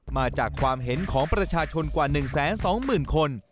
มาจากความเห็นของประชาชนกว่า๑๒๐๐๐คน